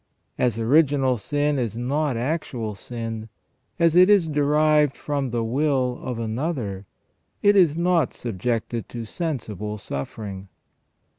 As original sin is not actual sin, as it is derived from the will of another, it is not subjected to sensible suffering.